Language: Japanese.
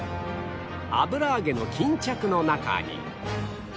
油揚げの巾着の中に